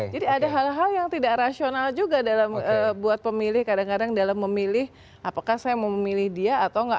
jadi ada hal hal yang tidak rasional juga dalam buat pemilih kadang kadang dalam memilih apakah saya mau memilih dia atau nggak